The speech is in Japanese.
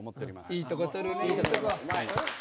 いいとこ取りだ。